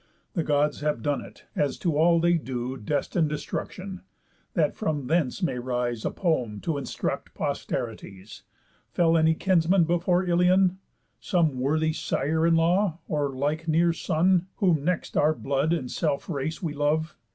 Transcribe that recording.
The Gods have done it; as to all they do Destine destruction, that from thence may rise A poem to instruct posterities. Fell any kinsman before Ilion? Some worthy sire in law, or like near son, Whom next our own blood and self race we love?